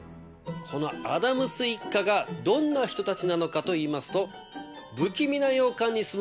このアダムス一家がどんな人たちなのかといいますと。